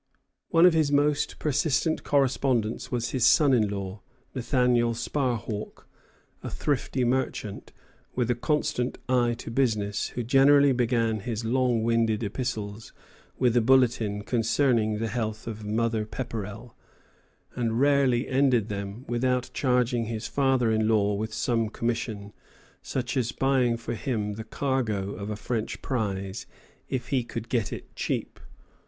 One of his most persistent correspondents was his son in law, Nathaniel Sparhawk, a thrifty merchant, with a constant eye to business, who generally began his long winded epistles with a bulletin concerning the health of "Mother Pepperrell," and rarely ended them without charging his father in law with some commission, such as buying for him the cargo of a French prize, if he could get it cheap.